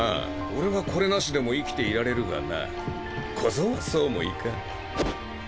俺はこれなしでも生きていられるがな小僧はそうもいかん。